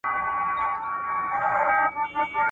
دا تاريخ دمېړنيو !.